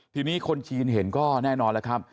ที่นี้คนชีนเห็นก็แน่นอนนะครับ